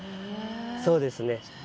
そうですね。